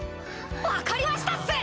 分かりましたっす！